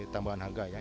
tambahan harga yang